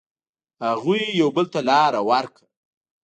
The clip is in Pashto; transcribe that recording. هغوی یو بل ته لاره ورکړه.